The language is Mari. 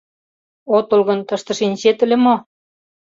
Отыл гын, тыште шинчет ыле мо?